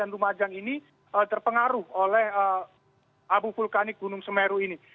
dan lumajang ini terpengaruh oleh abu vulkanik gunung semeru ini